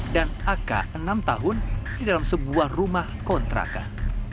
dan ak enam tahun di dalam sebuah rumah kontrakan